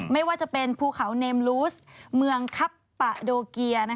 ไม่ว่าจะเป็นภูเขาเนมลูสเมืองคับปะโดเกีย